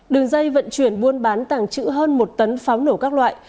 đường dây vận chuyển buôn bán tàng trữ hơn một tấn pháo nổ các loại